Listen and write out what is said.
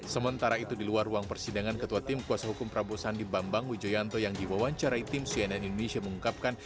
sementara itu di luar ruang persidangan ketua tim kuasa hukum prabowo sandi bambang wijoyanto yang diwawancarai tim cnn indonesia mengungkapkan